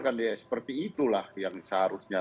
kan ya seperti itulah yang seharusnya